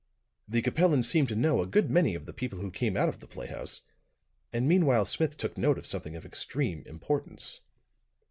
The Capellan seemed to know a good many of the people who came out of the playhouse; and meanwhile Smith took note of something of extreme importance.